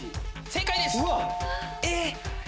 正解です。